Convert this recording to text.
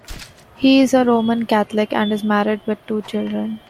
He is a Roman Catholic and is married with two children.